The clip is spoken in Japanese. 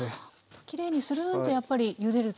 きれいにするんとやっぱりゆでると。